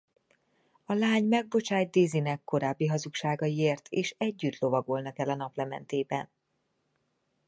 A lány megbocsát Dizzynek korábbi hazugságaiért és együtt lovagolnak el a naplementében.